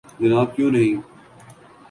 جناب کیوں نہیں